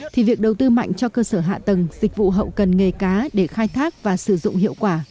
thì việc đầu tư mạnh cho cơ sở hạ tầng dịch vụ hậu cần nghề cá để khai thác và sử dụng hiệu quả